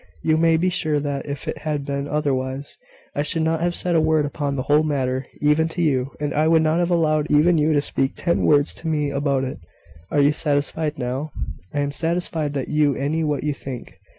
You may be sure that, if it had been otherwise, I should not have said a word upon the whole matter, even to you; and I would not have allowed even you to speak ten words to me about it. Are you satisfied now?" "I am satisfied that you any what you think."